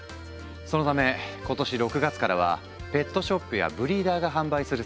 そのため今年６月からはペットショップやブリーダーが販売する際